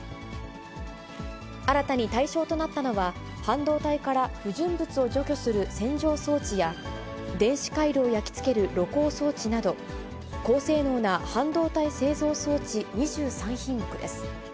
新たに対象となったのは、半導体から不純物を除去する洗浄装置や、電子回路を焼き付ける露光装置など、高性能な半導体製造装置２３品目です。